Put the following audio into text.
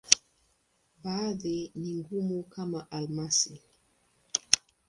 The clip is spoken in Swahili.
Baadhi ni ngumu, kama almasi.